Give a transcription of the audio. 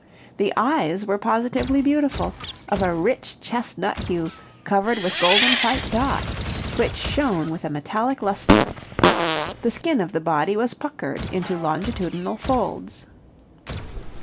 The eyes were positively beautiful, of a rich chestnut hue, covered with golden white dots, which shone with a metallic luster. The skin of the body was puckered into longitudinal folds.